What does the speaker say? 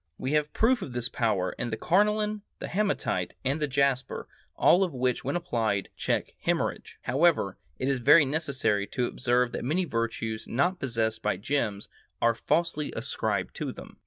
We have proof of this power in the carnelian, the hematite, and the jasper, all of which when applied, check hemorrhage.... However, it is very necessary to observe that many virtues not possessed by gems are falsely ascribed to them.